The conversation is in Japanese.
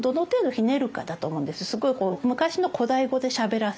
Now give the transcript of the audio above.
すごいこう昔の古代語でしゃべらせる。